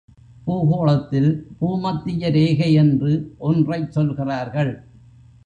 பூகோளத்தில் பூமத்திய ரேகை என்று ஒன்றைச் சொல்கிறார்கள்.